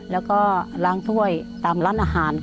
แล้วก็ล้างถ้วยตามร้านอาหาร